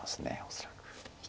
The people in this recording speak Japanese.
恐らく。